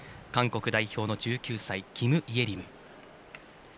韓国代表の１９歳キム・イェリム。